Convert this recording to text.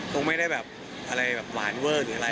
คงไม่ได้แบบอะไรแบบหวานเวอร์หรืออะไร